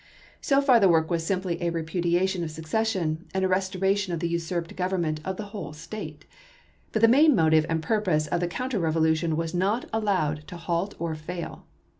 So far the work was simply a repudiation of secession, and a restoration of the usurped govern ment of the whole State. But the main motive and purpose of the counter revolution was not allowed to halt or fail.